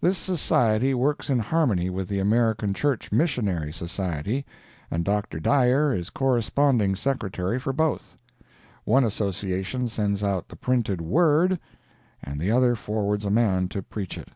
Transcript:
This Society works in harmony with the American Church Missionary Society, and Dr. Dyer is Corresponding Secretary for both. One association sends out the printed Word, and the other forwards a man to preach it.